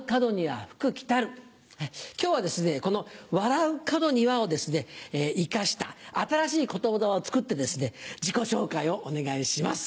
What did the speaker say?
今日はこの「笑う門には」を生かした新しいことわざを作って自己紹介をお願いします。